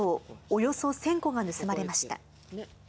およそ１０００個が盗まれました。